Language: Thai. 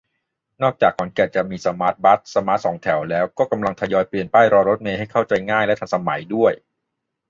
นอกจากขอนแก่นจะมีสมาร์ทบัส สมาร์ทสองแถวแล้ว ก็กำลังทยอยเปลี่ยนป้ายรอเมล์ให้เข้าใจง่าย และทันสมัยด้วย